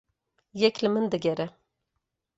Yek li min digere.